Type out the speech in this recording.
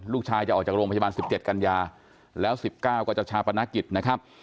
ลูกชายจะออกจากโรงพยาบาลสิบเจ็ดกันยาแล้วสิบเก้าก็จะชาปนกิจนะครับ